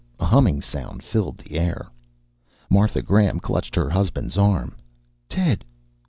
A humming sound filled the air. Martha Graham clutched her husband's arm. "Ted!